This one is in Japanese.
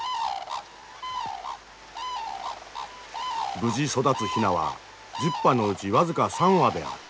無事育つヒナは１０羽のうち僅か３羽である。